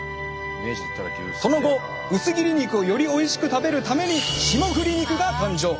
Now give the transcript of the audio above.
その後薄切り肉をよりおいしく食べるために霜降り肉が誕生。